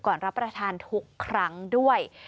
รับประทานทุกครั้งด้วย